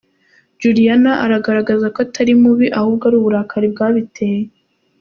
Juliana agaragaza ko atari mubi ahubwo ari uburakari bwabiteye.